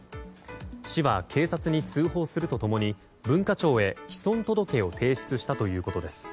市は警察に通報すると共に文化庁へ、毀損届を提出したということです。